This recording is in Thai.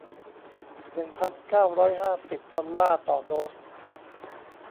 หนึ่งพันเก้าร้อยห้าสิบ ดอลลาร์ต่อโดส